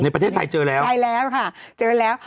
ประเทศไทยเจอแล้วใช่แล้วค่ะเจอแล้ว